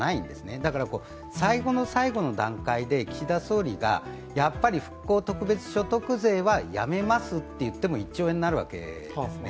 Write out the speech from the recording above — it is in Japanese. だから最後の最後の段階で岸田総理がやっぱり復興特別所得税はやめますって言っても１兆円になるわけですね。